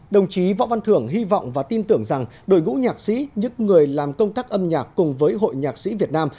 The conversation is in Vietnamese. đồng chí võ văn thưởng hy vọng và tin tưởng rằng đội ngũ nhạc sĩ những người làm công tác âm nhạc cùng với hội nhạc sĩ việt nam